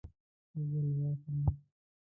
څو ځله واخلم؟